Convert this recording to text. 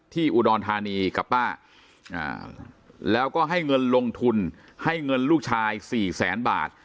อุดรธานีกับป้าแล้วก็ให้เงินลงทุนให้เงินลูกชาย๔แสนบาท